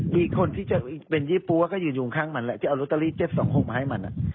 มีคนที่จะเป็นยี่ปั๊วก็ยืนอยู่ข้างมันแหละที่เอาลอตเตอรี่๗๒๖มาให้มัน